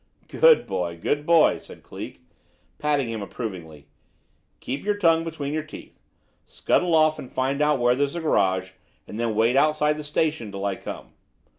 "Good boy! good boy!" said Cleek, patting him approvingly. "Keep your tongue between your teeth. Scuttle off, and find out where there's a garage, and then wait outside the station till I come."